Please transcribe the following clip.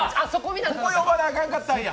ここ読まな、あかんかったんや。